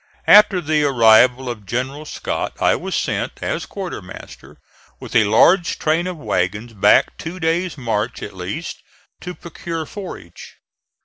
After the arrival of General Scott I was sent, as quartermaster, with a large train of wagons, back two days' march at least, to procure forage.